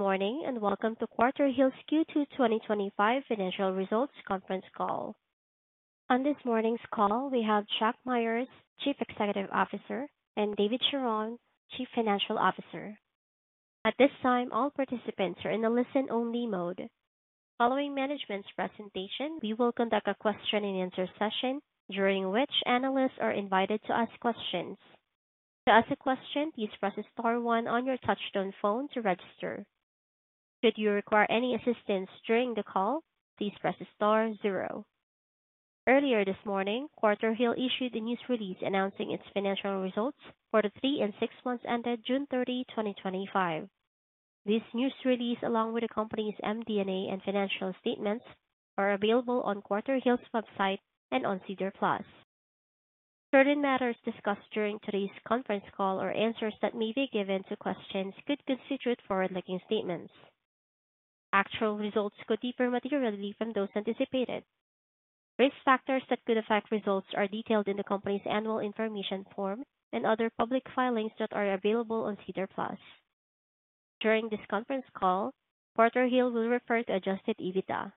Good morning and welcome to Quarterhill's Q2 2025 Financial Results Conference Call. On this morning's call, we have Chuck Myers, Chief Executive Officer, and David Charron, Chief Financial Officer. At this time, all participants are in a listen-only mode. Following management's presentation, we will conduct a question and answer session, during which analysts are invited to ask questions. To ask a question, please press star one on your touch-tone phone to register. Should you require any assistance during the call, please press star zero. Earlier this morning, Quarterhill issued a news release announcing its financial results for the three and six months ended June 30, 2025. This news release, along with the company's MD&A and financial statements, are available on Quarterhill's website and on SEDAR+. Certain matters discussed during today's conference call or answers that may be given to questions could constitute forward-looking statements. Actual results could differ materially from those anticipated. Risk factors that could affect results are detailed in the company's annual information form and other public filings that are available on SEDAR+. During this conference call, Quarterhill will refer to adjusted EBITDA.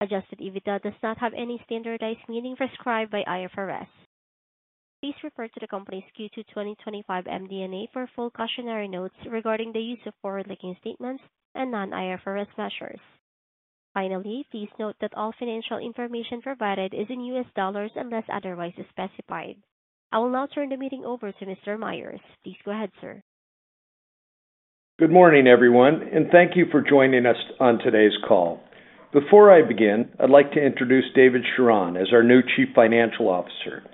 Adjusted EBITDA does not have any standardized meaning prescribed by IFRS. Please refer to the company's Q2 2025 MD&A for full cautionary notes regarding the use of forward-looking statements and non-IFRS measures. Finally, please note that all financial information provided is in US dollars unless otherwise specified. I will now turn the meeting over to Mr. Myers. Please go ahead, sir. Good morning, everyone, and thank you for joining us on today's call. Before I begin, I'd like to introduce David Charron as our new Chief Financial Officer.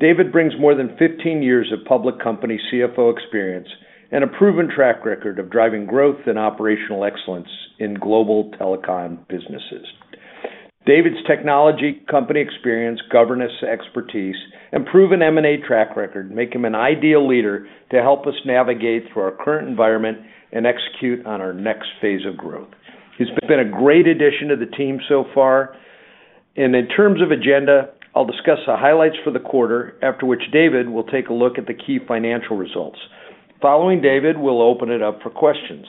David brings more than 15 years of public company CFO experience and a proven track record of driving growth and operational excellence in global telecom businesses. David's technology, company experience, governance expertise, and proven M&A track record make him an ideal leader to help us navigate through our current environment and execute on our next phase of growth. He's been a great addition to the team so far. In terms of agenda, I'll discuss the highlights for the quarter, after which David will take a look at the key financial results. Following David, we'll open it up for questions.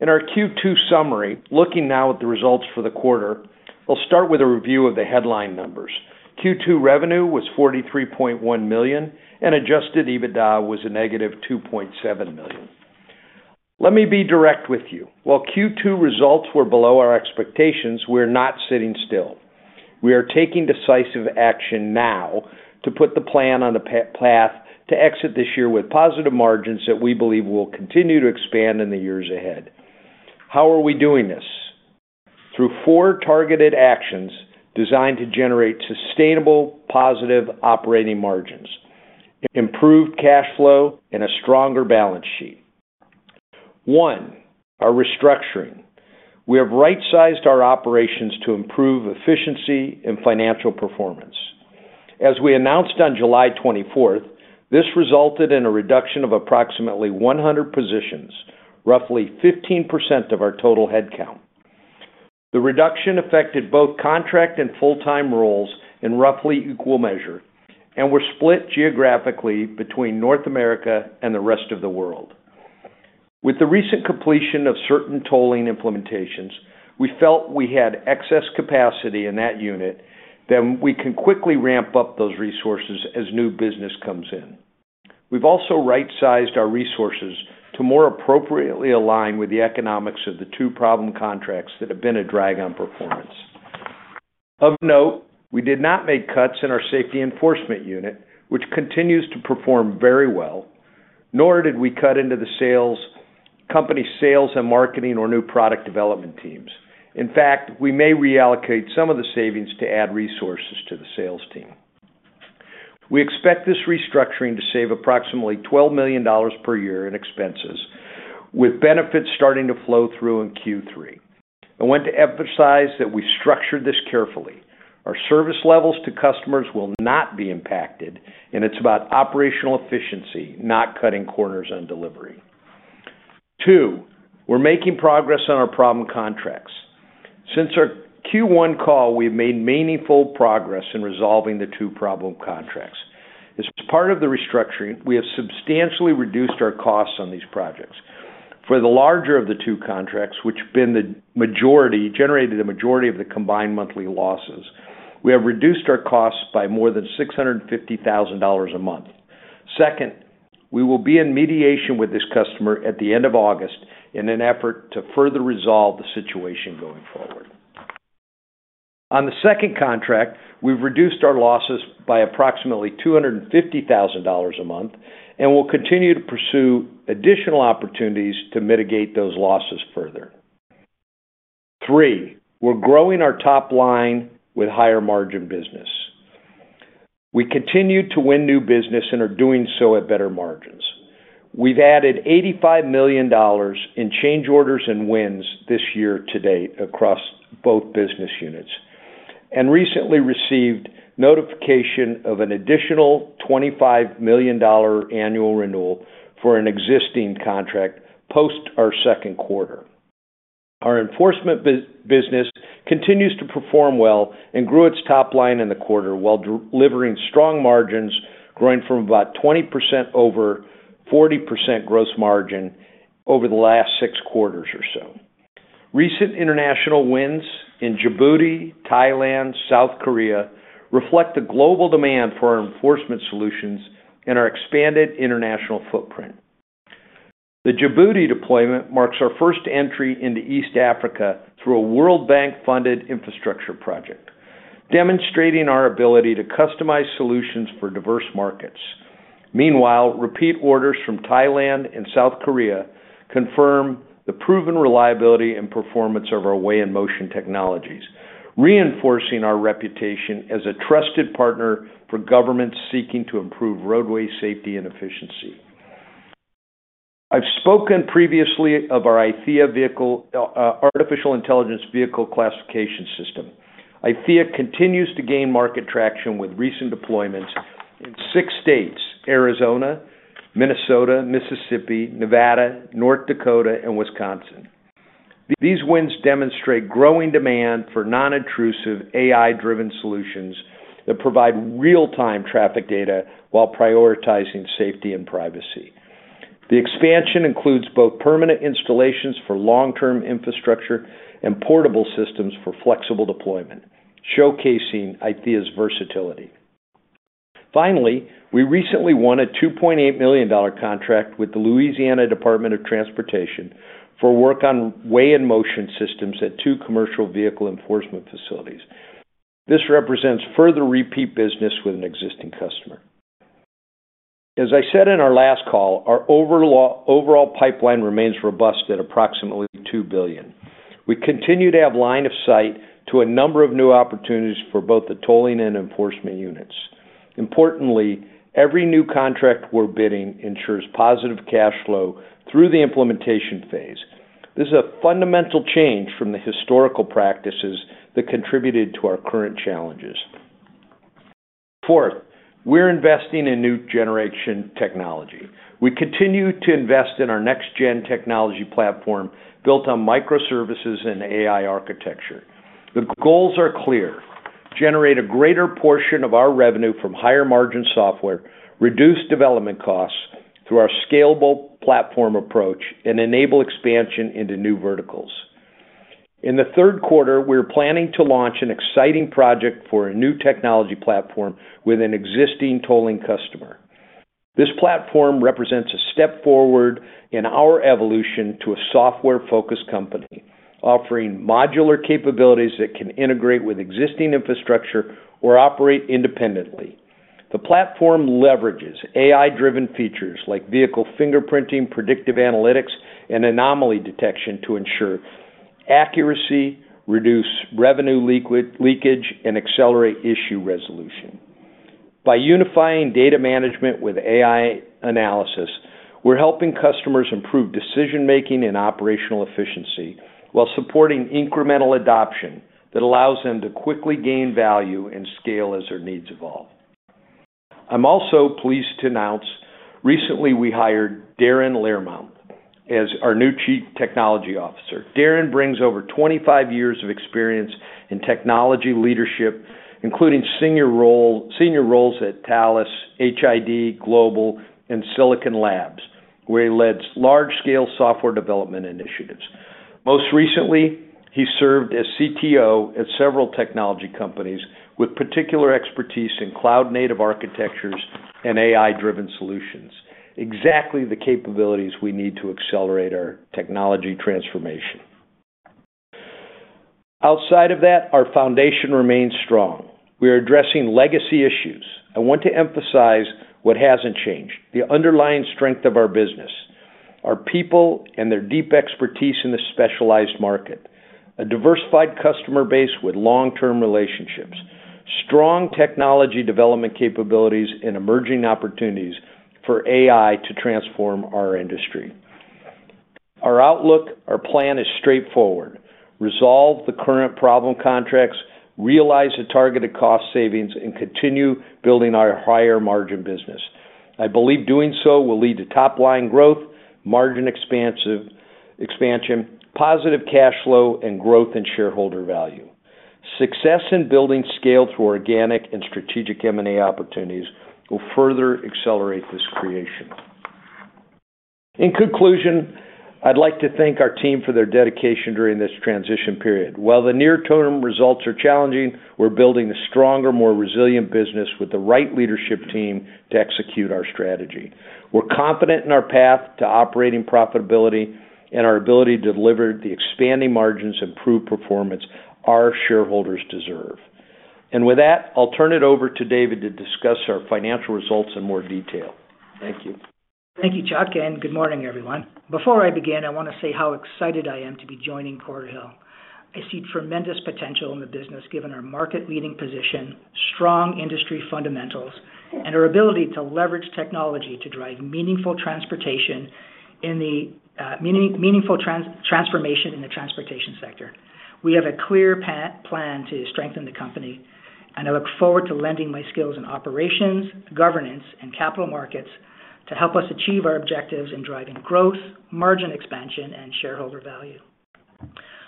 In our Q2 summary, looking now at the results for the quarter, we'll start with a review of the headline numbers. Q2 revenue was $43.1 million, and adjusted EBITDA was a -$2.7 million. Let me be direct with you. While Q2 results were below our expectations, we're not sitting still. We are taking decisive action now to put the plan on a path to exit this year with positive margins that we believe will continue to expand in the years ahead. How are we doing this? Through four targeted actions designed to generate sustainable, positive operating margins, improved cash flow, and a stronger balance sheet. One, our restructuring. We have right-sized our operations to improve efficiency and financial performance. As we announced on July 24th, this resulted in a reduction of approximately 100 positions, roughly 15% of our total headcount. The reduction affected both contract and full-time roles in roughly equal measure and were split geographically between North America and the rest of the world. With the recent completion of certain tolling implementations, we felt we had excess capacity in that unit, and we can quickly ramp up those resources as new business comes in. We've also right-sized our resources to more appropriately align with the economics of the two problem contracts that have been a drag on performance. Of note, we did not make cuts in our safety enforcement unit, which continues to perform very well, nor did we cut into the company sales and marketing, or new product development teams. In fact, we may reallocate some of the savings to add resources to the sales team. We expect this restructuring to save approximately $12 million per year in expenses, with benefits starting to flow through in Q3. I want to emphasize that we structured this carefully. Our service levels to customers will not be impacted, and it's about operational efficiency, not cutting corners on delivery. Two, we're making progress on our problem contracts. Since our Q1 call, we have made meaningful progress in resolving the two problem contracts. As part of the restructuring, we have substantially reduced our costs on these projects. For the larger of the two contracts, which have generated the majority of the combined monthly losses, we have reduced our costs by more than $650,000 a month. Second, we will be in mediation with this customer at the end of August in an effort to further resolve the situation going forward. On the second contract, we've reduced our losses by approximately $250,000 a month and will continue to pursue additional opportunities to mitigate those losses further. Three, we're growing our top line with higher margin business. We continue to win new business and are doing so at better margins. We've added $85 million in change orders and wins this year to date across both business units and recently received notification of an additional $25 million annual renewal for an existing contract post our second quarter. Our enforcement business continues to perform well and grew its top line in the quarter while delivering strong margins, growing from about 20% to over 40% gross margin over the last six quarters or so. Recent international wins in Djibouti, Thailand, and South Korea reflect the global demand for our enforcement solutions and our expanded international footprint. The Djibouti deployment marks our first entry into East Africa through a World Bank-funded infrastructure project, demonstrating our ability to customize solutions for diverse markets. Meanwhile, repeat orders from Thailand and South Korea confirm the proven reliability and performance of our Weigh-In-Motion technologies, reinforcing our reputation as a trusted partner for governments seeking to improve roadway safety and efficiency. I've spoken previously of our ITIA artificial intelligence vehicle classification system. ITIA continues to gain market traction with recent deployments in six U.S. states – Arizona, Minnesota, Mississippi, Nevada, North Dakota, and Wisconsin. These wins demonstrate growing demand for non-intrusive AI-driven solutions that provide real-time traffic data while prioritizing safety and privacy. The expansion includes both permanent installations for long-term infrastructure and portable systems for flexible deployment, showcasing ITIA's versatility. Finally, we recently won a $2.8 million contract with the Louisiana Department of Transportation for work on Weigh-In-Motion systems at two commercial vehicle enforcement facilities. This represents further repeat business with an existing customer. As I said in our last call, our overall pipeline remains robust at approximately $2 billion. We continue to have line of sight to a number of new opportunities for both the tolling and enforcement units. Importantly, every new contract we're bidding ensures positive cash flow through the implementation phase. This is a fundamental change from the historical practices that contributed to our current challenges. Fourth, we're investing in new generation technology. We continue to invest in our next-gen technology platform built on microservices-based and AI architecture. The goals are clear – generate a greater portion of our revenue from higher margin software, reduce development costs through our scalable platform approach, and enable expansion into new verticals. In the third quarter, we're planning to launch an exciting project for a new technology platform with an existing tolling customer. This platform represents a step forward in our evolution to a software-focused company, offering modular capabilities that can integrate with existing infrastructure or operate independently. The platform leverages AI-driven features like vehicle fingerprinting, predictive analytics, and anomaly detection to ensure accuracy, reduce revenue leakage, and accelerate issue resolution. By unifying data management with AI analysis, we're helping customers improve decision-making and operational efficiency while supporting incremental adoption that allows them to quickly gain value and scale as their needs evolve. I'm also pleased to announce recently we hired Darren Lehrman as our new Chief Technology Officer. Darren brings over 25 years of experience in technology leadership, including senior roles at Thales, HID Global, and Silicon Labs, where he led large-scale software development initiatives. Most recently, he served as CTO at several technology companies with particular expertise in cloud-native architectures and AI-driven solutions, exactly the capabilities we need to accelerate our technology transformation. Outside of that, our foundation remains strong. We are addressing legacy issues. I want to emphasize what hasn't changed, the underlying strength of our business: our people and their deep expertise in the specialized market, a diversified customer base with long-term relationships, strong technology development capabilities, and emerging opportunities for AI to transform our industry. Our outlook, our plan is straightforward: resolve the current problem contracts, realize the targeted cost savings, and continue building our higher margin business. I believe doing so will lead to top-line growth, margin expansion, positive cash flow, and growth in shareholder value. Success in building scale to organic and strategic M&A opportunities will further accelerate this creation. In conclusion, I'd like to thank our team for their dedication during this transition period. While the near-term results are challenging, we're building a stronger, more resilient business with the right leadership team to execute our strategy. We're confident in our path to operating profitability and our ability to deliver the expanding margins and prove performance our shareholders deserve. With that, I'll turn it over to David to discuss our financial results in more detail. Thank you. Thank you, Chuck, and good morning, everyone. Before I begin, I want to say how excited I am to be joining Quarterhill. I see tremendous potential in the business given our market-leading position, strong industry fundamentals, and our ability to leverage technology to drive meaningful transformation in the transportation sector. We have a clear plan to strengthen the company, and I look forward to lending my skills in operations, governance, and capital markets to help us achieve our objectives in driving growth, margin expansion, and shareholder value.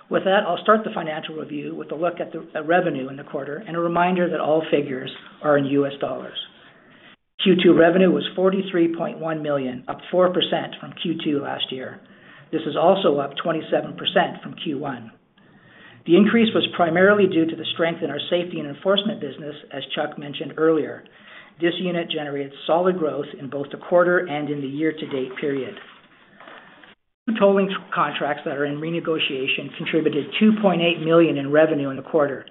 With that, I'll start the financial review with a look at the revenue in the quarter and a reminder that all figures are in U.S. dollars. Q2 revenue was $43.1 million, up 4% from Q2 last year. This is also up 27% from Q1. The increase was primarily due to the strength in our safety and enforcement business, as Chuck mentioned earlier. This unit generated solid growth in both the quarter and in the year-to-date period. The tolling contracts that are in renegotiation contributed $2.8 million in revenue in the quarter.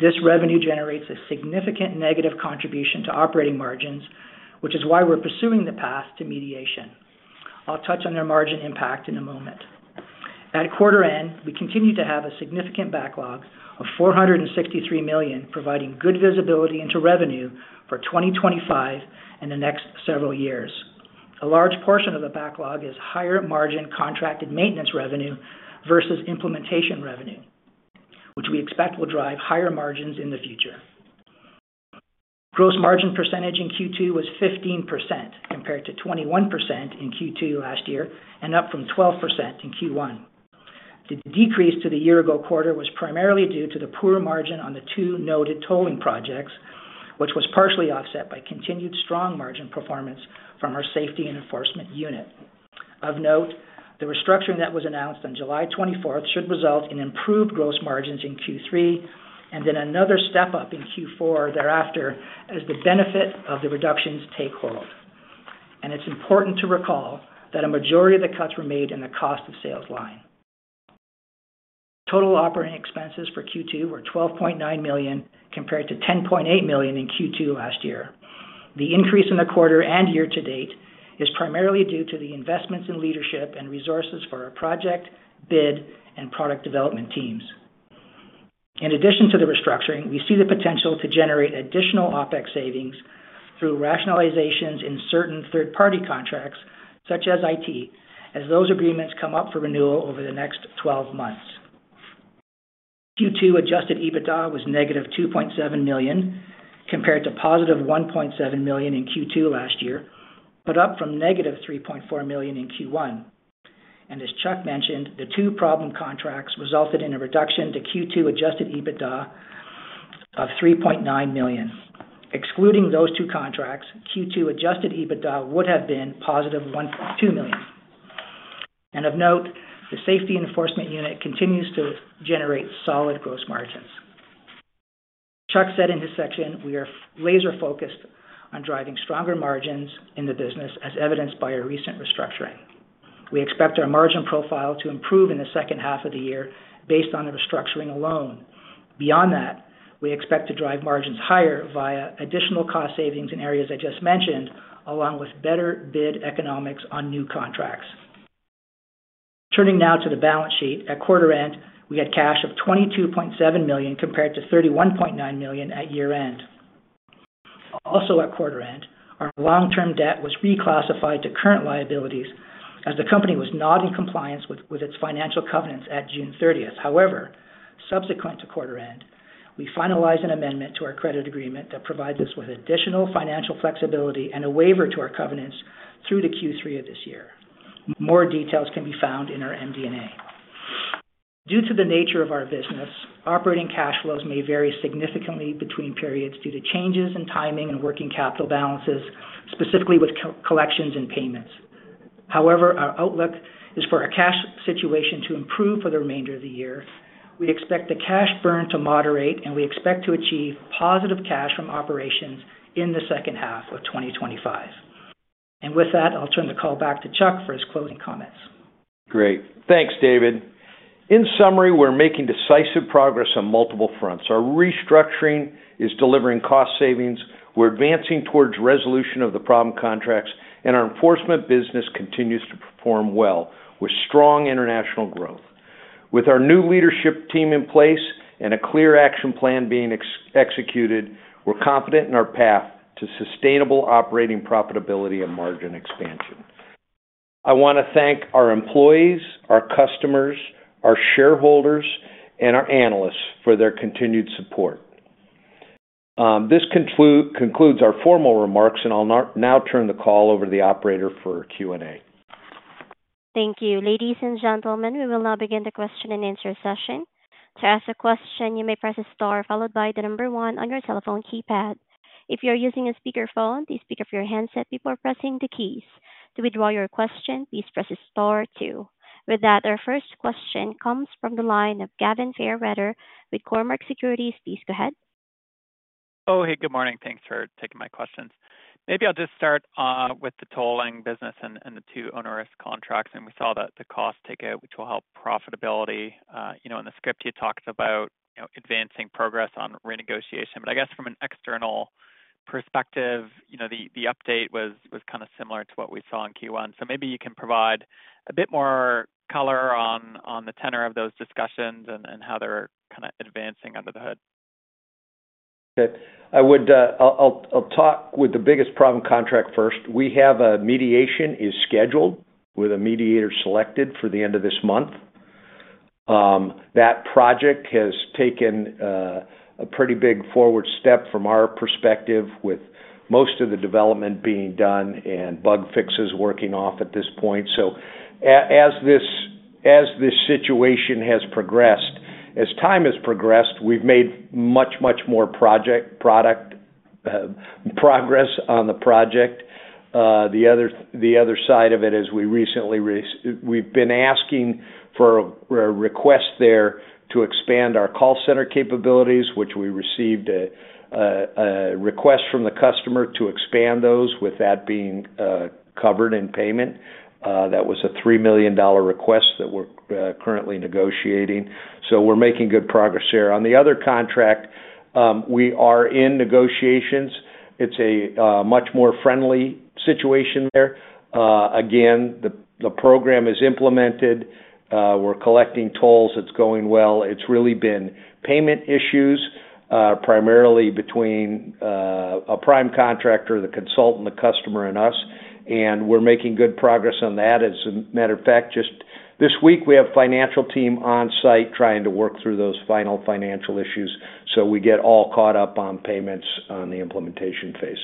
This revenue generates a significant negative contribution to operating margins, which is why we're pursuing the path to mediation. I'll touch on their margin impact in a moment. At quarter end, we continue to have a significant backlog of $463 million, providing good visibility into revenue for 2025 and the next several years. A large portion of the backlog is higher margin contracted maintenance revenue versus implementation revenue, which we expect will drive higher margins in the future. Gross margin percentage in Q2 was 15% compared to 21% in Q2 last year and up from 12% in Q1. The decrease to the year-ago quarter was primarily due to the poor margin on the two noted tolling projects, which was partially offset by continued strong margin performance from our safety and enforcement unit. Of note, the restructuring that was announced on July 24th should result in improved gross margins in Q3 and then another step up in Q4 thereafter as the benefit of the reductions take hold. It is important to recall that a majority of the cuts were made in the cost of sales line. Total operating expenses for Q2 were $12.9 million compared to $10.8 million in Q2 last year. The increase in the quarter and year to date is primarily due to the investments in leadership and resources for our project, bid, and product development teams. In addition to the restructuring, we see the potential to generate additional OpEx savings through rationalizations in certain third-party contracts, such as IT, as those agreements come up for renewal over the next 12 months. Q2 adjusted EBITDA was negative $2.7 million compared to positive $1.7 million in Q2 last year, but up from negative $3.4 million in Q1. As Chuck mentioned, the two problem contracts resulted in a reduction to Q2 adjusted EBITDA of $3.9 million. Excluding those two contracts, Q2 adjusted EBITDA would have been +$1.2 million. Of note, the safety enforcement unit continues to generate solid gross margins. As Chuck said in his section, we are laser-focused on driving stronger margins in the business, as evidenced by our recent restructuring. We expect our margin profile to improve in the second half of the year based on the restructuring alone. Beyond that, we expect to drive margins higher via additional cost savings in areas I just mentioned, along with better bid economics on new contracts. Turning now to the balance sheet, at quarter end, we had cash of $22.7 million compared to $31.9 million at year end. Also at quarter end, our long-term debt was reclassified to current liabilities as the company was not in compliance with its financial covenants at June 30th. However, subsequent to quarter end, we finalized an amendment to our credit agreement that provides us with additional financial flexibility and a waiver to our covenants through Q3 of this year. More details can be found in our MD&A. Due to the nature of our business, operating cash flows may vary significantly between periods due to changes in timing and working capital balances, specifically with collections and payments. Our outlook is for our cash situation to improve for the remainder of the year. We expect the cash burn to moderate, and we expect to achieve positive cash from operations in the second half of 2025. With that, I'll turn the call back to Chuck for his closing comments. Great. Thanks, David. In summary, we're making decisive progress on multiple fronts. Our restructuring is delivering cost savings. We're advancing towards resolution of the problem contracts, and our enforcement business continues to perform well with strong international growth. With our new leadership team in place and a clear action plan being executed, we're confident in our path to sustainable operating profitability and margin expansion. I want to thank our employees, our customers, our shareholders, and our analysts for their continued support. This concludes our formal remarks, and I'll now turn the call over to the operator for Q&A. Thank you. Ladies and gentlemen, we will now begin the question and answer session. To ask a question, you may press star followed by the number one on your telephone keypad. If you are using a speakerphone, please pick up your handset before pressing the keys. To withdraw your question, please press star two. With that, our first question comes from the line of Gavin Fairweather with Cormark Securities. Please go ahead. Oh, hey, good morning. Thanks for taking my questions. Maybe I'll just start with the tolling business and the two onerous contracts. We saw that the cost ticket, which will help profitability, in the script you talked about advancing progress on renegotiation. I guess from an external perspective, the update was kind of similar to what we saw in Q1. Maybe you can provide a bit more color on the tenor of those discussions and how they're kind of advancing under the hood. Okay. I'll talk with the biggest problem contract first. We have a mediation scheduled with a mediator selected for the end of this month. That project has taken a pretty big forward step from our perspective, with most of the development being done and bug fixes working off at this point. As this situation has progressed, as time has progressed, we've made much, much more product progress on the project. The other side of it is we've been asking for a request there to expand our call center capabilities, which we received a request from the customer to expand those with that being covered in payment. That was a $3 million request that we're currently negotiating. We're making good progress there. On the other contract, we are in negotiations. It's a much more friendly situation there. The program is implemented. We're collecting tolls. It's going well. It's really been payment issues, primarily between a prime contractor, the consultant, the customer, and us. We're making good progress on that. As a matter of fact, just this week, we have a financial team on site trying to work through those final financial issues so we get all caught up on payments on the implementation phase.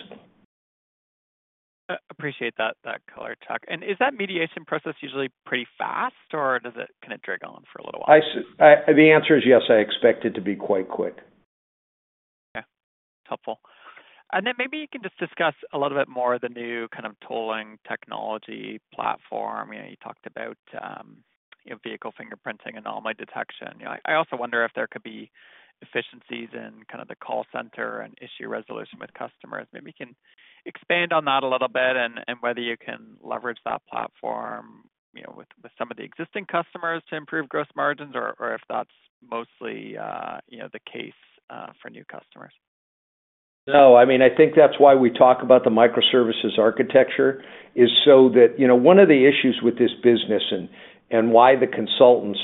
Appreciate that color, Chuck. Is that mediation process usually pretty fast, or does it kind of drag on for a little while? The answer is yes, I expect it to be quite quick. Okay. Helpful. Maybe you can just discuss a little bit more of the new kind of tolling technology platform. You talked about vehicle fingerprinting and anomaly detection. I also wonder if there could be efficiencies in the call center and issue resolution with customers. Maybe you can expand on that a little bit and whether you can leverage that platform with some of the existing customers to improve gross margins or if that's mostly the case for new customers. No. I mean, I think that's why we talk about the microservices-based architecture, so that one of the issues with this business and why the consultants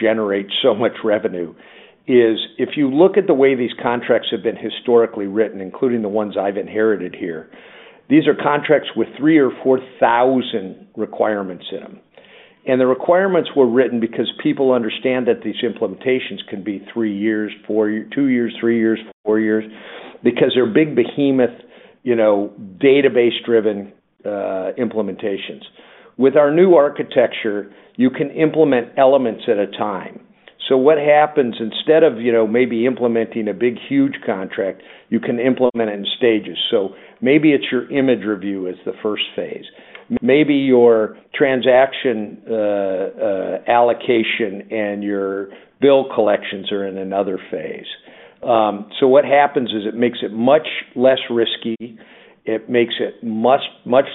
generate so much revenue is if you look at the way these contracts have been historically written, including the ones I've inherited here, these are contracts with three or four thousand requirements in them. The requirements were written because people understand that these implementations can be three years, two years, three years, four years, because they're big behemoth, database-driven implementations. With our new architecture, you can implement elements at a time. What happens instead of maybe implementing a big, huge contract, you can implement it in stages. Maybe it's your image review is the first phase. Maybe your transaction allocation and your bill collections are in another phase. What happens is it makes it much less risky. It makes it much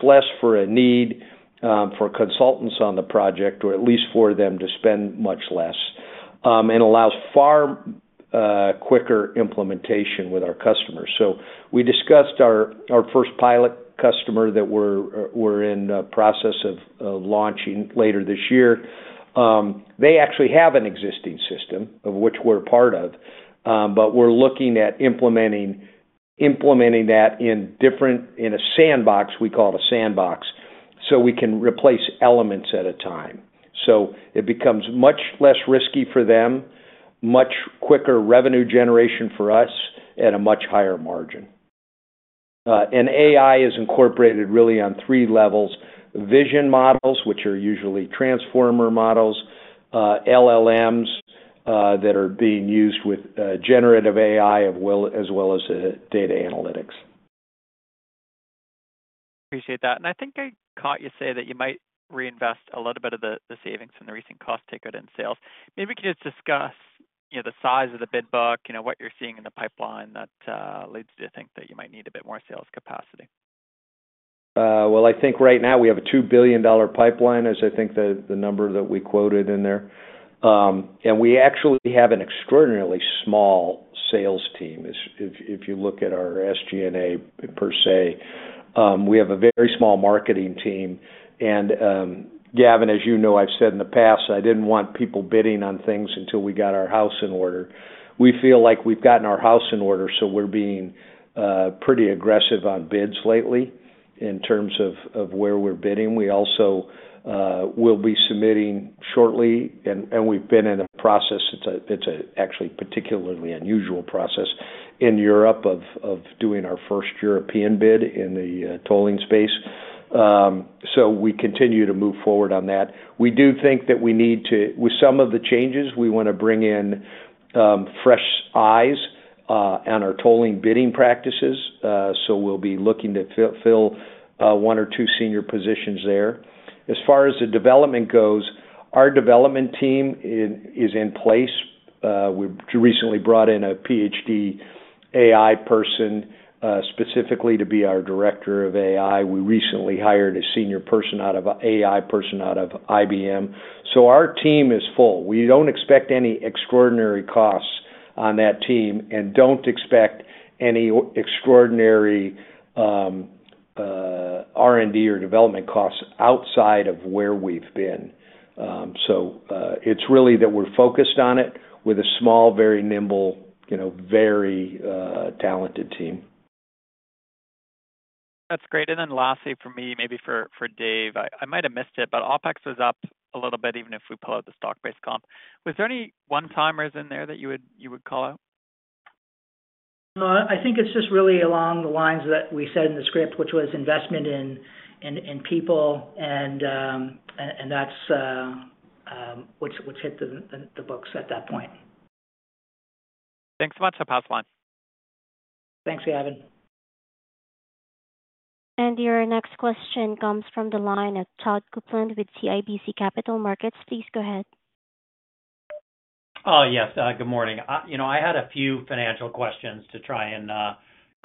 less for a need for consultants on the project, or at least for them to spend much less, and allows far quicker implementation with our customers. We discussed our first pilot customer that we're in the process of launching later this year. They actually have an existing system of which we're a part of, but we're looking at implementing that in a sandbox. We call it a sandbox. We can replace elements at a time. It becomes much less risky for them, much quicker revenue generation for us, and a much higher margin. AI is incorporated really on three levels: vision models, which are usually transformer models, LLMs that are being used with generative AI, as well as data analytics. Appreciate that. I think I caught you say that you might reinvest a little bit of the savings from the recent cost ticket in sales. Maybe we can just discuss the size of the bid book, you know, what you're seeing in the pipeline that leads you to think that you might need a bit more sales capacity. I think right now we have a $2 billion pipeline, as I think the number that we quoted in there. We actually have an extraordinarily small sales team. If you look at our SG&A per se, we have a very small marketing team. Gavin, as you know, I've said in the past, I didn't want people bidding on things until we got our house in order. We feel like we've gotten our house in order, so we're being pretty aggressive on bids lately in terms of where we're bidding. We also will be submitting shortly, and we've been in a process. It's actually a particularly unusual process in Europe of doing our first European bid in the tolling space. We continue to move forward on that. We do think that we need to, with some of the changes, we want to bring in fresh eyes on our tolling bidding practices. We'll be looking to fill one or two senior positions there. As far as the development goes, our development team is in place. We recently brought in a PhD AI person specifically to be our Director of AI. We recently hired a senior person out of IBM. Our team is full. We don't expect any extraordinary costs on that team and don't expect any extraordinary R&D or development costs outside of where we've been. It's really that we're focused on it with a small, very nimble, very talented team. That's great. Lastly, for me, maybe for Dave, I might have missed it, but OpEx was up a little bit, even if we pull out the stock-based comp. Was there any one-timers in there that you would call out? No, I think it's just really along the lines that we said in the script, which was investment in people, and that's what's hit the books at that point. Thanks so much. I'll pass the line. Thanks, Gavin. Your next question comes from the line of Todd Coupland with CIBC Capital Markets. Please go ahead. Oh, yes. Good morning. I had a few financial questions to try and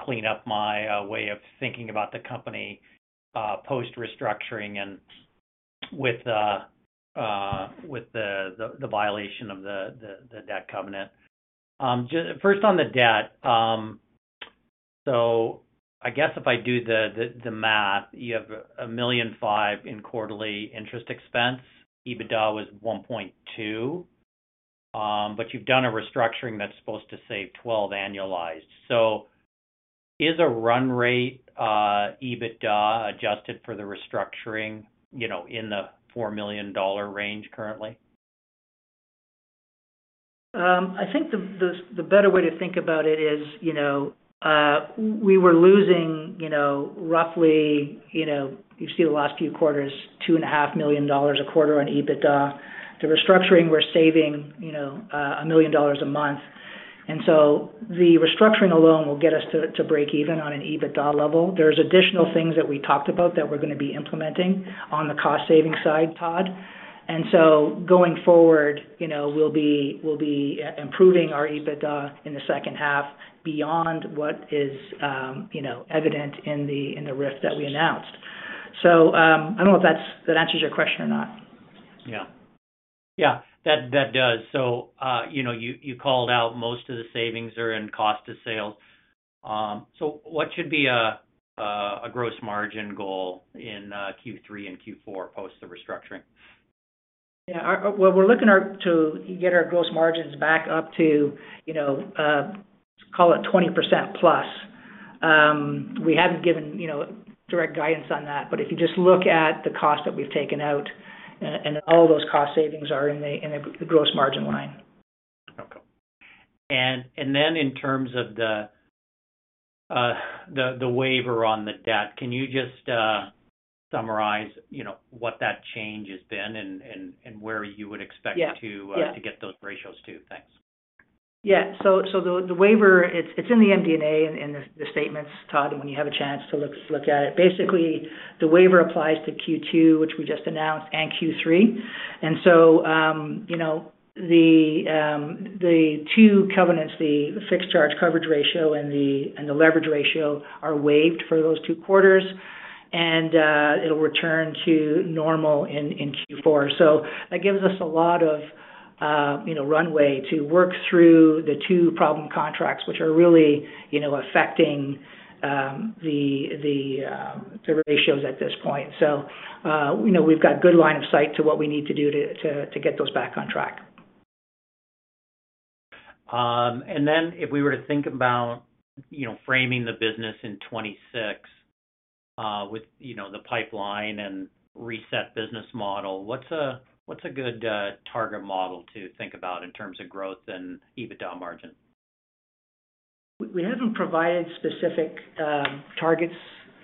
clean up my way of thinking about the company post-restructuring and with the violation of the debt covenant. First on the debt, if I do the math, you have $1,500,000 in quarterly interest expense. EBITDA was $1.2 million. You've done a restructuring that's supposed to save $12 million annualized. Is a run rate EBITDA adjusted for the restructuring, you know, in the $4 million range currently? I think the better way to think about it is, you know, we were losing, you know, roughly, you know, you see the last few quarters, $2.5 million a quarter on EBITDA. The restructuring, we're saving, you know, $1 million a month. The restructuring alone will get us to break even on an EBITDA level. There are additional things that we talked about that we're going to be implementing on the cost-saving side, Todd. Going forward, you know, we'll be improving our EBITDA in the second half beyond what is, you know, evident in the RIF that we announced. I don't know if that answers your question or not. Yeah, that does. You called out most of the savings are in cost of sales. What should be a gross margin goal in Q3 and Q4 post the restructuring? We're looking to get our gross margins back up to, you know, call it 20%+. We haven't given, you know, direct guidance on that. If you just look at the cost that we've taken out, all those cost savings are in the gross margin line. Okay. In terms of the waiver on the debt, can you just summarize what that change has been and where you would expect to get those ratios to? Thanks. Yeah. The waiver, it's in the MD&A and the statements, Todd, when you have a chance to look at it. Basically, the waiver applies to Q2, which we just announced, and Q3. The two covenants, the fixed charge coverage ratio and the leverage ratio, are waived for those two quarters, and it'll return to normal in Q4. That gives us a lot of runway to work through the two problem contracts, which are really affecting the ratios at this point. We've got a good line of sight to what we need to do to get those back on track. If we were to think about, you know, framing the business in 2026 with, you know, the pipeline and reset business model, what's a good target model to think about in terms of growth and EBITDA margin? We haven't provided specific targets,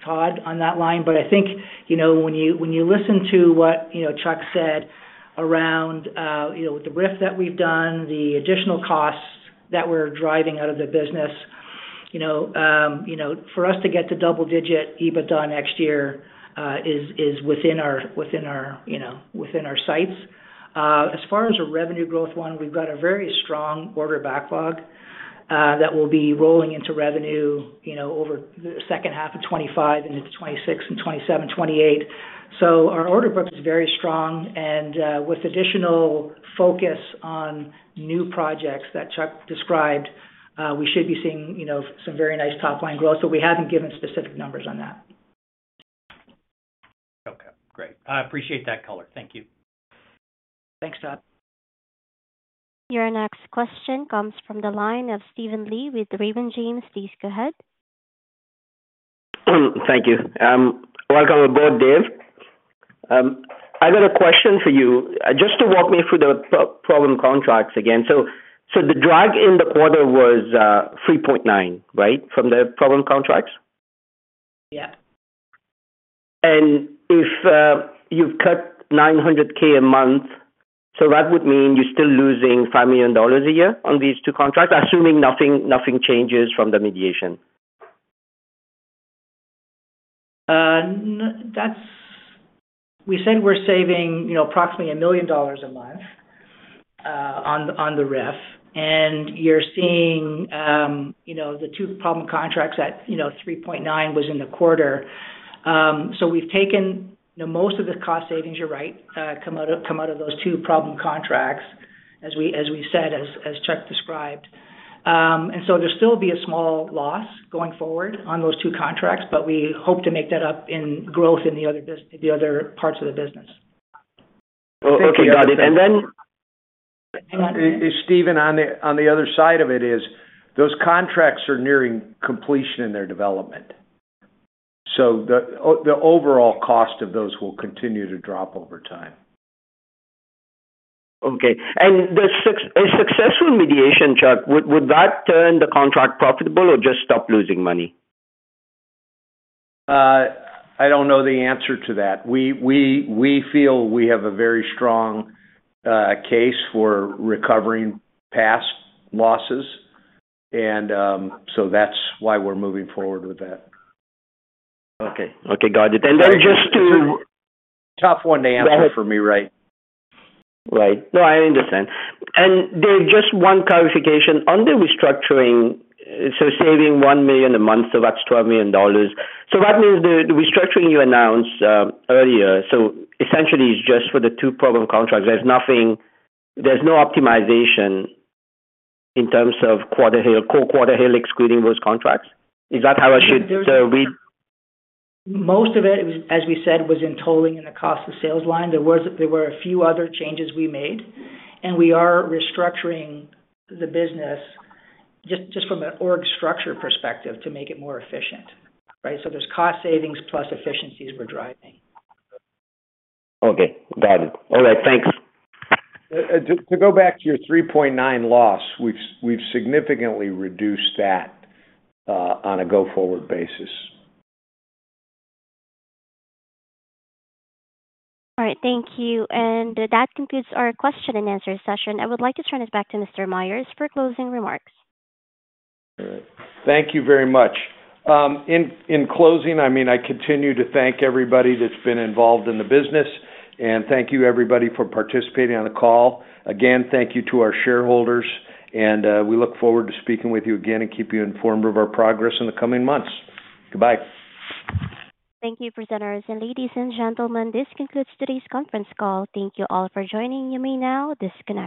Todd, on that line, but I think, you know, when you listen to what Chuck said around, you know, with the RIF that we've done, the additional costs that we're driving out of the business, for us to get to double-digit EBITDA next year is within our sights. As far as a revenue growth one, we've got a very strong order backlog that will be rolling into revenue over the second half of 2025 and into 2026 and 2027, 2028. Our order book is very strong. With additional focus on new projects that Chuck described, we should be seeing some very nice top-line growth, but we haven't given specific numbers on that. Okay. Great. I appreciate that color. Thank you. Thanks, Chuck. Your next question comes from the line of Steven Li with Raymond James. Please go ahead. Thank you. Welcome to the board, Dave. I got a question for you. Just walk me through the problem contracts again. The drag in the quarter was $3.9 million, right, from the problem contracts? Yeah. If you've cut $900,000 a month, that would mean you're still losing $5 million a year on these two contracts, assuming nothing changes from the mediation? We said we're saving approximately $1 million a month on the RIF. You're seeing the two problem contracts at $3.9 million was in the quarter. We've taken most of the cost savings, you're right, come out of those two problem contracts, as we said, as Chuck described. There'll still be a small loss going forward on those two contracts, but we hope to make that up in growth in the other parts of the business. Okay. Got it. Then. Hang on. Stephen, on the other side of it, those contracts are nearing completion in their development. The overall cost of those will continue to drop over time. A successful mediation, Chuck, would that turn the contract profitable or just stop losing money? I don't know the answer to that. We feel we have a very strong case for recovering past losses, so that's why we're moving forward with that. Okay. Got it. There is just. It's a tough one to answer for me, right? Right. No, I understand. Dave, just one clarification on the restructuring. Saving $1 million a month, that's $12 million. That means the restructuring you announced earlier, essentially, it's just for the two problem contracts. There's nothing, there's no optimization in terms of quarterly or quarterly excluding those contracts. Is that how I should read? Most of it, as we said, was in tolling and the cost of sales line. There were a few other changes we made. We are restructuring the business just from an org structure perspective to make it more efficient, right? There are cost savings plus efficiencies we're driving. Okay, got it. All right, thanks. To go back to your $3.9 million loss, we've significantly reduced that on a go-forward basis. All right. Thank you. That concludes our question and answer session. I would like to turn it back to Mr. Myers for closing remarks. All right. Thank you very much. In closing, I continue to thank everybody that's been involved in the business. Thank you, everybody, for participating on the call. Thank you to our shareholders. We look forward to speaking with you again and keeping you informed of our progress in the coming months. Goodbye. Thank you, presenters. Ladies and gentlemen, this concludes today's conference call. Thank you all for joining. You may now disconnect.